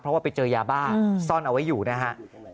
เพราะว่าไปเจอยาบ้าซ่อนเอาไว้อยู่นะฮะ